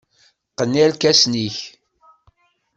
Qqen irkasen-nnek.